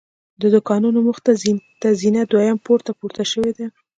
د دوکانونو مخې ته زینه دویم پوړ ته پورته شوې ده.